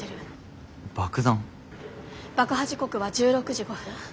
爆破時刻は１６時５分。